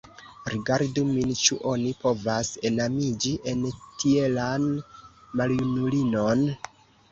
Rigardu min: ĉu oni povas enamiĝi en tielan maljunulinon?